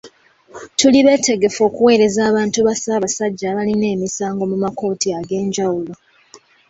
Tuli beetegefu okuweereza abantu ba Ssaabasajja abalina emisango mu makkooti ag'enjawulo.